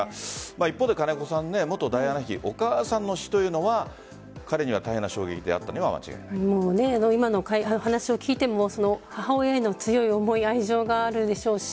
一方で元ダイアナ妃お母さんの死というのは彼には大変な衝撃であったのは今の話を聞いても母親への強い思い愛情があるでしょうし